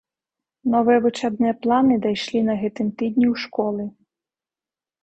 Новыя вучэбныя планы дашлі на гэтым тыдні ў школы.